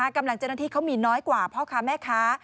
กำลังเจ้าหน้าที่เขามีน้อยกว่าพ่อค้าแม่ค้า